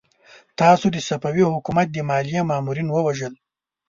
تاسو د صفوي حکومت د ماليې مامورين ووژل!